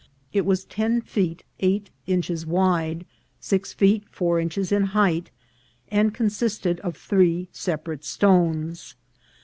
It was ten feet eight inches wide, six feet four inches in height, and consisted of three separate stones.